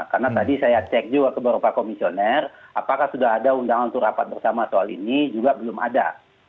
karena tadi saya cek juga ke beberapa komisioner apakah sudah ada undangan untuk rapat bersama soal ini juga belum ada